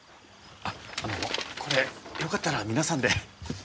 あっあのこれよかったら皆さんで。